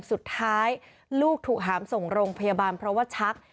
สุดท้ายลูกถูกหามส่งโรงพยาบาลเพราะว่าชัก